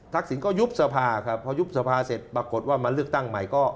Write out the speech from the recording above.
ทักษิณ้วัยุทธภาพครับเพื่อยุทธภาพเสร็จปรากฏว่าในเลือกตั้งใหม่